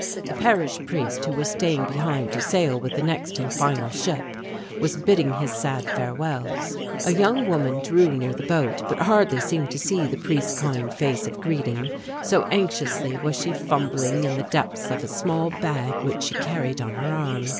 The parish priest, who was staying behind to sail with the next and final ship, was bidding his sad farewells. A young woman drew near the boat, but hardly seemed to see the priest's kind face of greeting, so anxiously was she fumbling in the depths of a small bag which she carried on her arm.